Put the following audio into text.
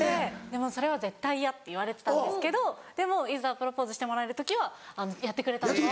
でもそれは絶対嫌って言われてたんですけどでもいざプロポーズしてもらえる時はやってくれたんですよ。